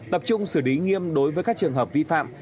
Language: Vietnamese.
tập trung xử lý nghiêm đối với các trường hợp vi phạm